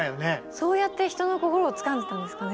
そうやって人の心をつかんでたんですかね。